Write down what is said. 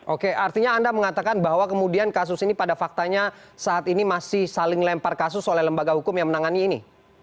oke artinya anda mengatakan bahwa kemudian kasus ini pada faktanya saat ini masih saling lempar kasus oleh lembaga hukum yang menangani ini